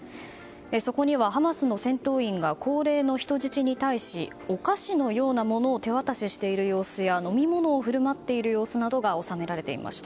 そこにはハマスの戦闘員が高齢の人質に対しお菓子のようなものを手渡ししている様子や飲み物を振舞っている様子も収められていました。